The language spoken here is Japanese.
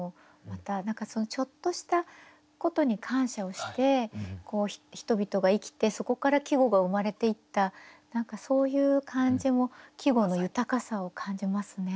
また何かそのちょっとしたことに感謝をして人々が生きてそこから季語が生まれていったそういう感じも季語の豊かさを感じますね。